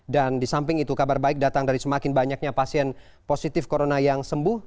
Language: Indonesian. dan di samping itu kabar baik datang dari semakin banyaknya pasien positif corona yang sembuh